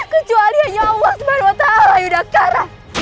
kecuali hanya allah swt yodha kar